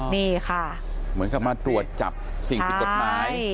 นี่ค่ะเหมือนกับมาตรวจจับสิ่งผิดกฎหมาย